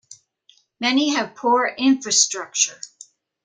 Many have poor infrastructure.